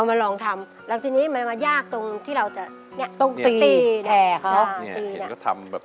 เอามาลองทำแล้วทีนี้มันมายากตรงที่เราจะเนี้ยต้องตีแผ่เขานี่เห็นก็ทำ